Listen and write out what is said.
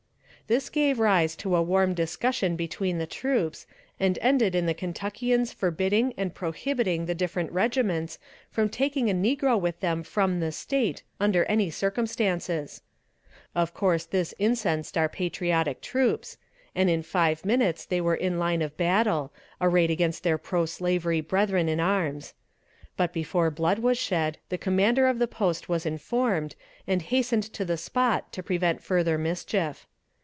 This gave rise to a warm discussion between the troops, and ended in the Kentuckians forbidding and prohibiting the different regiments from taking a negro with them from the State under any circumstances. Of course this incensed our patriotic troops, and in five minutes they were in line of battle arrayed against their pro slavery brethren in arms. But before blood was shed the commander of the post was informed, and hastened to the spot to prevent further mischief.